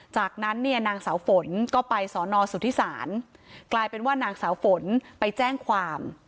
จากนั้นเนี่ยนางสาวฝนก็ไปสอนอสุทธิศาลกลายเป็นว่านางสาวฝนไปแจ้งความ